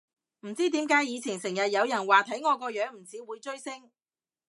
唔知點解以前成日有人話睇我個樣唔似會追星